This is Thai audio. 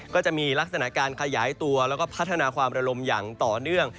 ก็จะมีลักษณะการขยายตัวแล้วก็พัฒนาความระลมอย่างต่อเนื่อง